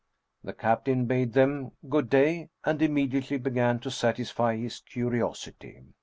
The captain bade them " Good day !" and immediately began to satisfy his curiosity.